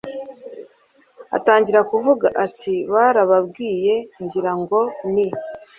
atangira kuvuga atibarababwiye ngira ngo ni